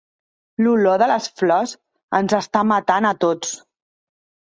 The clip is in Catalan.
L'olor de les flors ens està matant a tots.